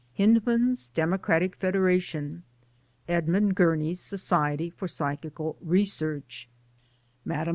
Hyndman's Democratic Federation, Edmund Gurney's Society for Psychical Research, Mme.